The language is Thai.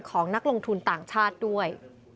ของนักลงทุนต่างชาติด้วย